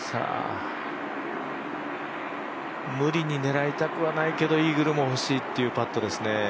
無理に狙いたくはないけどイーグルも欲しいというパットですね。